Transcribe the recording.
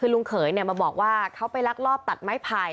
คือลุงเขยมาบอกว่าเขาไปลักลอบตัดไม้ไผ่